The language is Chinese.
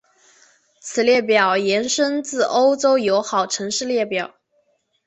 此列表延伸自欧洲友好城市列表。